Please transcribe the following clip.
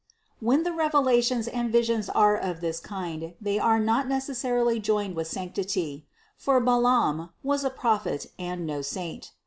When the revelations and visions are of this kind, they are not necessarily joined with sanctity; for Balaam was a prophet and no saint.